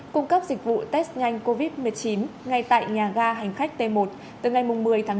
cung cấp dịch vụ test nhanh covid một mươi chín ngay tại nhà ga hành khách t một từ ngày một mươi tháng một mươi